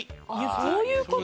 そういう事？